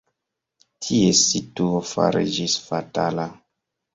Ties situo fariĝis fatala.